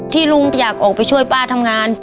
ลุงอยากออกไปช่วยป้าทำงาน